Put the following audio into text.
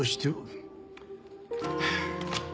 はあ。